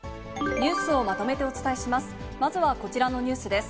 ニュースをまとめてお伝えします。